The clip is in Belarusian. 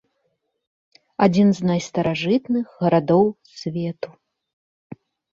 Адзін з найстаражытных гарадоў свету.